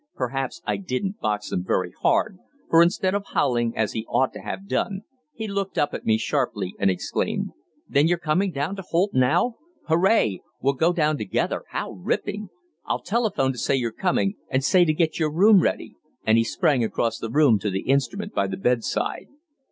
Perhaps I didn't box them very hard, for instead of howling as he ought to have done, he looked up at me sharply and exclaimed: "Then you're coming down to Holt now! Hooray! We'll go down together how ripping! I'll telephone to say you're coming, and say to get your room ready," and he sprang across to the instrument by the bedside.